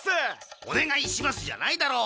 お願いしますじゃないだろう！